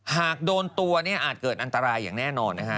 หากโดนตัวอาจเกิดอันตรายอย่างแน่นอน